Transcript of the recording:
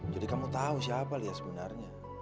jadi kamu tau siapa lia sebenarnya